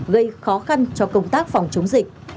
gây khó khăn cho công tác phòng chống dịch